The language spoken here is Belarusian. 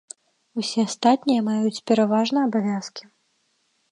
Усе астатнія маюць пераважна абавязкі.